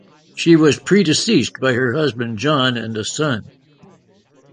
She was predeceased by her husband John and a son.